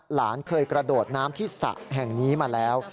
หลานเคยกระโดดน้ำที่สระแห่งนี้มาแล้ว